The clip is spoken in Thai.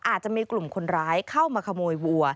อาจจะมีกลุ่มคนร้ายเข้ามาขโมยวัว